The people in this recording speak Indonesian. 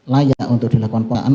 layak untuk dilakukan pemeriksaan